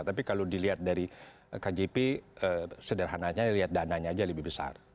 tapi kalau dilihat dari kjp sederhananya lihat dananya aja lebih besar